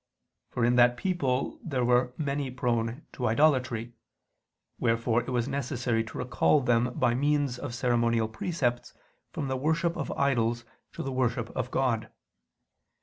For in that people there were many prone to idolatry; wherefore it was necessary to recall them by means of ceremonial precepts from the worship of idols to the worship of God.